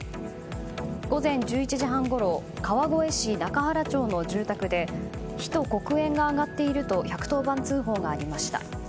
午前１１時半ごろ川越市中原町の住宅で火と黒煙が上がっていると１１０番通報がありました。